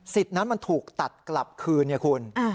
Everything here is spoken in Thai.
สิทธิ์นั้นมันถูกตัดกลับคืน